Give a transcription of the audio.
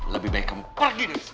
lebih baik kamu pergi dari sini